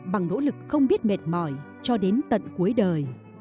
bằng nỗ lực không biết mệt mỏi cho đến tận cuối đời